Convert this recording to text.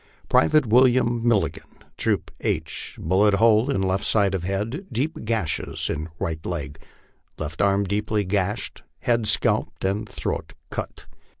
" Private William Milligan, Troop II, bullet hole in left side of head, deep gashes in right leg, .... left arm deeply gashed, head scalped, and throat cut.